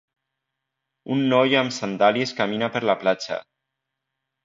Un noi amb sandàlies camina per la platja.